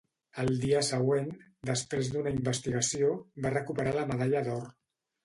Al dia següent, després d'una investigació, va recuperar la medalla d'or.